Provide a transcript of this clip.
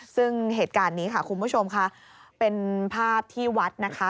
ซึ่งเหตุการณ์นี้ค่ะคุณผู้ชมค่ะเป็นภาพที่วัดนะคะ